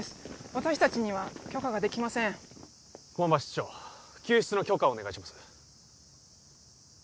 私達には許可ができません駒場室長救出の許可をお願いします